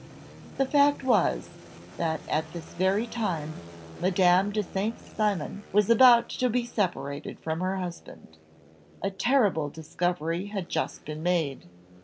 The fact was, that at this very time Madame de St. Cymon was about to be separated from her husband. A terrible discovery had just been made.